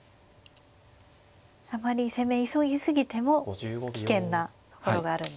あまり攻め急ぎ過ぎても危険なところがあるんですね。